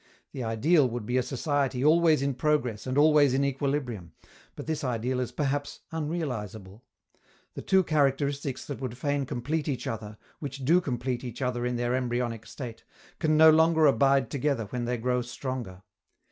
The ideal would be a society always in progress and always in equilibrium, but this ideal is perhaps unrealizable: the two characteristics that would fain complete each other, which do complete each other in their embryonic state, can no longer abide together when they grow stronger.